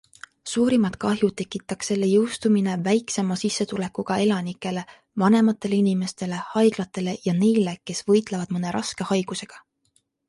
Suurimat kahju tekitaks selle jõustumine väiksema sissetulekuga elanikele, vanematele inimestele, haiglatele ja neile, kes võitlevad mõne raske haigusega.